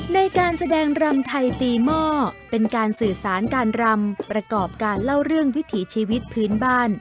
ในการแสดงรำไทยตีหม้อเป็นการสื่อสารการรำประกอบการเล่าเรื่องวิถีชีวิตพื้นบ้าน